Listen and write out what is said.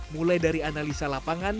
mulai dari analisa lapangan